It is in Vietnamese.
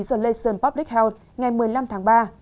the lesion public health ngày một mươi năm tháng ba